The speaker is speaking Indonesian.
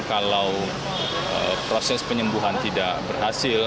kalau proses penyembuhan tidak berhasil